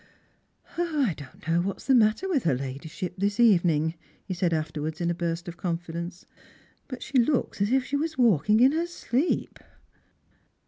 " I don't know what's the matter with her ladyship this even ing," he said afterwards in a burst of confidence, "but she looks as if she were walking in lier sleep."